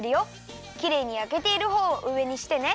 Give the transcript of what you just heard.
きれいにやけているほうをうえにしてね。